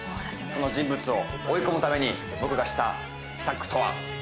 その人物を追い込むために僕がした秘策とは。